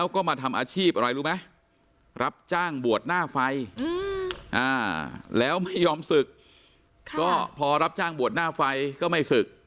ก็ไม่ยอมศึกก็พอรับช่างบวชหน้าไฟก็ไม่ศึก